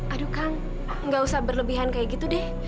aduh kang gak usah berlebihan kayak gitu deh